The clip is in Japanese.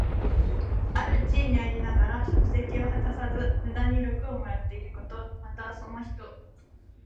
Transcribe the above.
ある地位にありながら職責を果たさず、無駄に禄をもらっていること。また、その人。